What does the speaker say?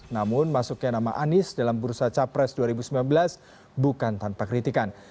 namun masuknya nama anies dalam bursa capres dua ribu sembilan belas bukan tanpa kritikan